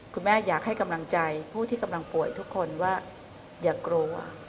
อยากให้กำลังใจผู้ที่กำลังป่วยทุกคนว่าอย่ากลัว